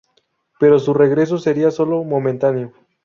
Pero su regreso sería solo momentáneo.